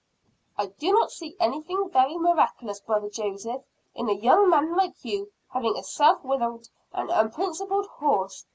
"I do not see anything very miraculous, brother Joseph, in a young man like you having a self willed and unprincipled horse.